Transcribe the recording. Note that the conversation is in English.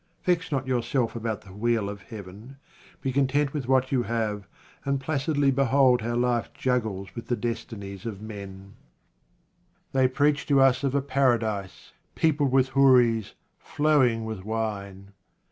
Vex not yourself about the wheel of Heaven, be content with what you have, and placidly behold how life juggles with the destinies of men. 57 QUATRAINS OF OMAR KHAYYAM They preach to us of a Paradise, peopled with houris, flowing with wine.